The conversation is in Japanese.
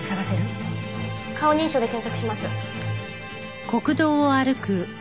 顔認証で検索します。